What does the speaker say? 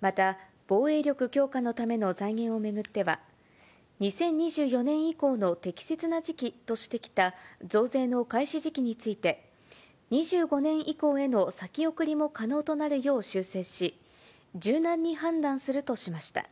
また、防衛力強化のための財源を巡っては、２０２４年以降の適切な時期としてきた増税の開始時期について、２５年以降への先送りも可能となるよう修正し、柔軟に判断するとしました。